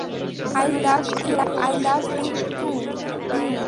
I love you, - I love you to you.